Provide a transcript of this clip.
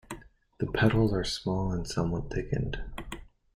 The petals are small and somewhat thickened.